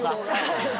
はい。